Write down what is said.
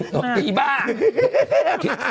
ตกตีบ้าง